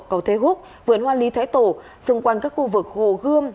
cầu thế húc vườn hoa lý thái tổ xung quanh các khu vực hồ gươm